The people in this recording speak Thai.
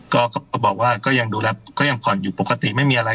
ก็บอกว่าก็ยังดูแล้วก็ยังผ่อนอยู่ปกติไม่มีอะไร